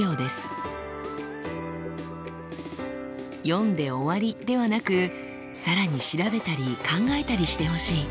読んで終わりではなく更に調べたり考えたりしてほしい。